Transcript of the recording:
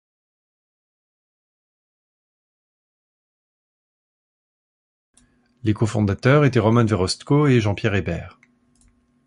Les co-fondateurs étaient Roman Verostko et Jean-Pierre Hébert.